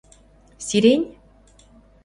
— Сирень?